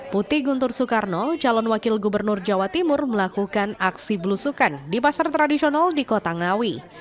putih guntur soekarno calon wakil gubernur jawa timur melakukan aksi belusukan di pasar tradisional di kota ngawi